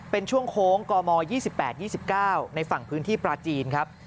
เป็นช่วงโค้งกม๒๘๒๙ในฝั่งพื้นที่ปลาจีนครับ